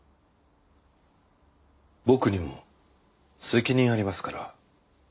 僕にも責任ありますから。